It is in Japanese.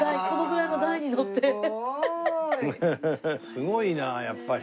すごいなやっぱり。